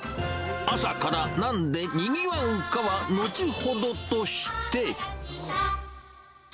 朝からなんでにぎわうかは後ほどとして。